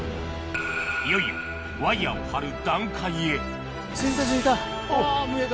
いよいよワイヤを張る段階へ着いた着いたあ見えた。